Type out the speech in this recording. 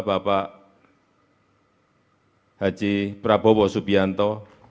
bapak haji prabowo subianto